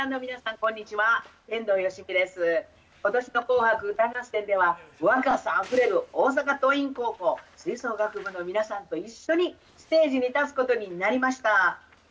ことしの紅白歌合戦では、若さあふれる大阪桐蔭高校吹奏楽部の皆さんと一緒に、ステージに立つことになりました。